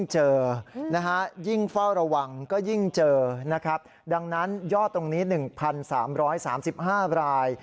หวังก็ยิ่งเจอนะครับดังนั้นยอดตรงนี้๑๓๓๕ราย